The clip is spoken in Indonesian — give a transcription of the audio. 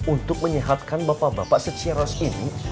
untuk menyehatkan bapak bapak setioros ini